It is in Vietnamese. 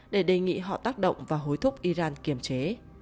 để đề nghị họ tác động và hối thúc iran kiềm chế